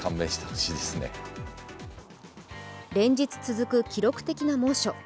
連日続く記録的な猛暑。